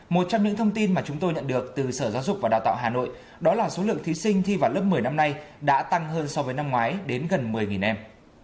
một trong những thông tin mà chúng tôi nhận được từ sở giáo dục và đào tạo hà nội đó là số lượng thí sinh thi vào lớp một mươi năm nay đã tăng hơn so với năm ngoái đến gần một mươi em